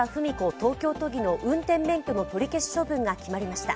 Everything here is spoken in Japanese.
東京都議の運転免許の取り消し処分が決まりました。